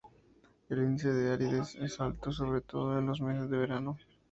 El índice de aridez es alto sobre todo en los meses de verano.